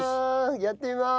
やってみます！